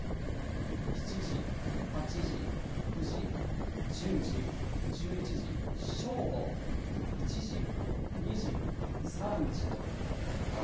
７時、８時、９時、１０時、１１時、正午、１時、２時、３時と。